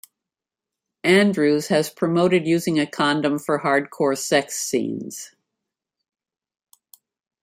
Andrews has promoted using a condom for hardcore sex scenes.